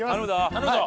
頼むぞ！